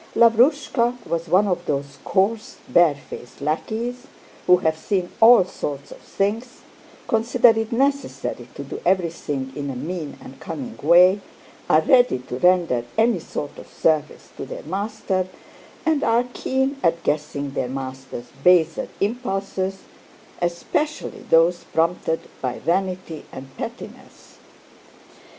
Lavrúshka was one of those coarse, bare faced lackeys who have seen all sorts of things, consider it necessary to do everything in a mean and cunning way, are ready to render any sort of service to their master, and are keen at guessing their master's baser impulses, especially those prompted by vanity and pettiness.